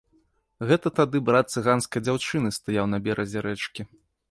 Гэта тады брат цыганскае дзяўчыны стаяў на беразе рэчкі.